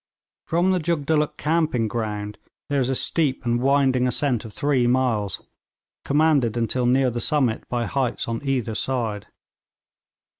From the Jugdulluk camping ground there is a steep and winding ascent of three miles, commanded until near the summit by heights on either side.